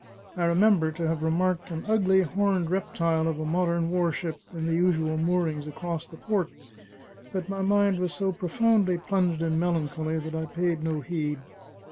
I remember to have remarked an ugly horned reptile of a modern warship in the usual moorings across the port, but my mind was so profoundly plunged in melancholy that I paid no heed.